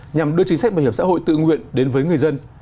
nhằm đưa chính sách bảo hiểm xã hội tự nguyện đến với người dân